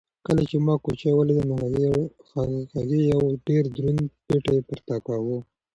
کله چې ما کوچۍ ولیده نو هغې یو ډېر دروند پېټی پورته کاوه.